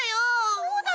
そうだよ。